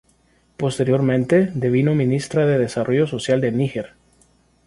Posteriormente, devino Ministra de Desarrollo Social de Níger.